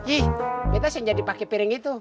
ih beta sehingga dipake piring itu